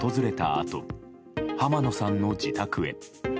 あと浜野さんの自宅へ。